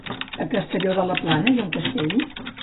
A Castelló de la Plana hi ha un castell?